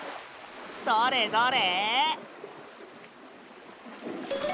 どれどれ？